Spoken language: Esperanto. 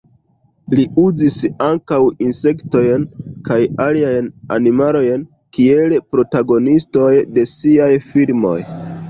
Li uzis ankaŭ insektojn kaj aliajn animalojn kiel protagonistoj de siaj filmoj.